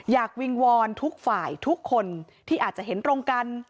วิงวอนทุกฝ่ายทุกคนที่อาจจะเห็นตรงกัน